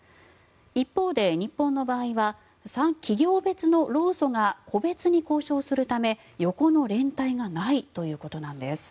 一方で日本の場合は企業別の労組が個別に交渉するため横の連帯がないということなんです。